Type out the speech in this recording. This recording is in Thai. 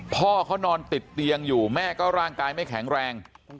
พ่อเขานอนติดเตียงอยู่แม่ก็ร่างกายไม่แข็งแรง